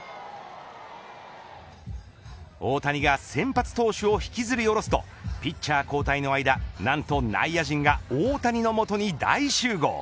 大谷が先発投手を引きずり降ろすとピッチャー交代の間何と内野陣が大谷の元に大集合。